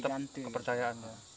maunya tetap kepercayaan